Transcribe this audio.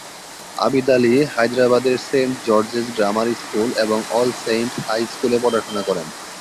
আবিদ আলী হায়দ্রাবাদের Saint George's grammar school এবং All Saint High স্কুলে পড়াশোনা করেন।